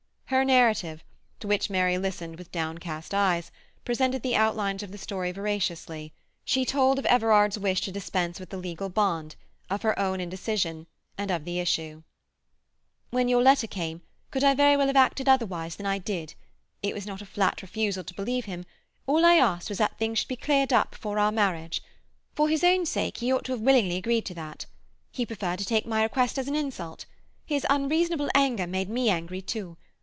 Her narrative, to which Mary listened with downcast eyes, presented the outlines of the story veraciously; she told of Everard's wish to dispense with the legal bond, of her own indecision, and of the issue. "When your letter came, could I very well have acted otherwise than I did? It was not a flat refusal to believe him; all I asked was that things should be cleared up before our marriage. For his own sake he ought to have willingly agreed to that. He preferred to take my request as an insult. His unreasonable anger made me angry too.